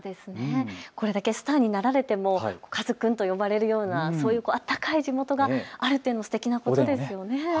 これだけスターになられてもかず君と呼ばれるようなそういう温かい地元があるというのはすてきなことですよね。